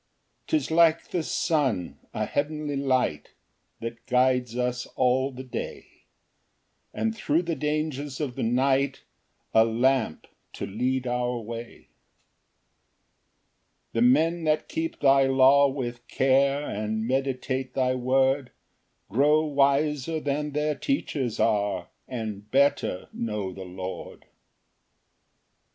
Ver. 105. 3 'Tis like the sun, a heavenly light, That guides us all the day; And thro' the dangers of the night, A lamp to lead our way. Ver. 99 100. 4 The men that keep thy law with care, And meditate thy word, Grow wiser than their teachers are, And better know the Lord.